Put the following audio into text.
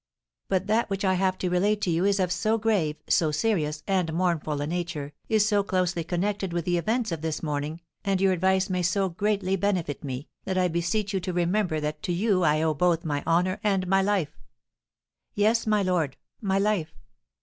But that which I have to relate to you is of so grave, so serious, and mournful a nature, is so closely connected with the events of this morning, and your advice may so greatly benefit me, that I beseech you to remember that to you I owe both my honour and my life: yes, my lord, my life!